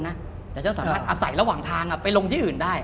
แต่ฉันสามารถอาศัยระหว่างทางไปลงที่อื่นได้